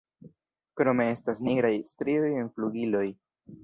Krome estas nigraj strioj en flugiloj.